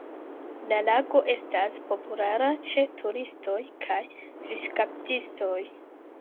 La lago estas populara ĉe turistoj kaj fiŝkaptistoj.